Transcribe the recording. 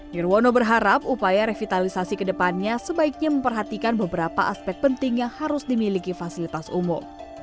nirwono berharap upaya revitalisasi ke depannya sebaiknya memperhatikan beberapa aspek penting yang harus dimiliki fasilitas umum